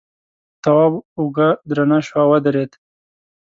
تواب اوږه درنه شوه او ودرېد.